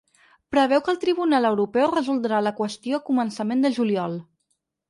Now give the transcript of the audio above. Preveu que el tribunal europeu resoldrà la qüestió a començament de juliol.